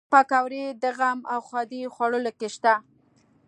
پکورې د غم او ښادۍ خوړو کې شته